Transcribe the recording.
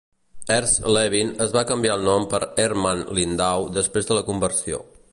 Hertz Levin es va canviar el nom per Hermann Lindau després de la conversió.